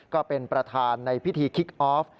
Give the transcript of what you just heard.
ก็เป็นประธานในพิธีคิกออฟ